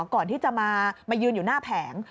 ก่อนที่จะมายืนอยู่หน้าแผง